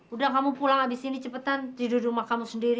udah kamu pulang abis ini cepetan tidur rumah kamu sendiri